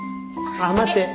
ああ待って。